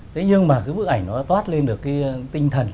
thế nhưng mà cái bức ảnh nó toát lên được cái tinh thần